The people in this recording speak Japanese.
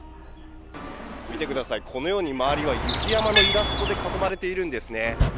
見てください、このように周りは雪山のイラストで囲まれているんですね。